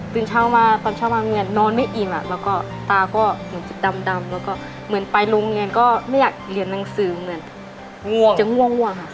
เช้ามาตอนเช้ามาเมียนอนไม่อิ่มแล้วก็ตาก็เหมือนจะดำแล้วก็เหมือนไปโรงเรียนก็ไม่อยากเรียนหนังสือเหมือนง่วงจะง่วงค่ะ